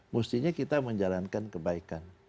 mestinya kita menjalankan kebaikan